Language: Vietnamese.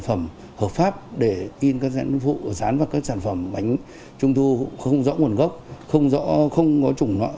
phẩm hợp pháp để in các sản phẩm bánh trung thu không rõ nguồn gốc không rõ không có chủng loại